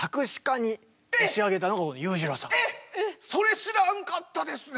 それ知らんかったですね。